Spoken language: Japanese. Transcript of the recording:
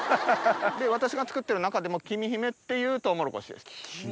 私が作ってる中でも「きみひめ」っていうとうもろこしです。